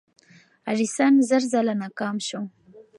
ایډیسن زر ځله ناکام شو.